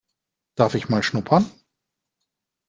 Darf ich mal schnuppern?